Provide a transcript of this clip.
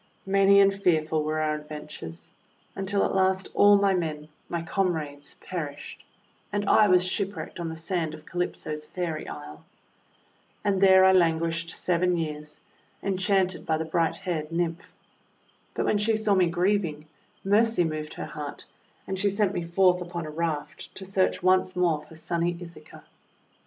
Many and fearful were our adventures, until at last all my men — my comrades — perished, and I was shipwrecked on the sand of Calypso's Fairy Isle. And there I languished seven years, enchanted by the bright haired Nymph. But when she saw me grieving, mercy moved her heart, and she sent me forth upon a raft to search once more for sunny Ithaca.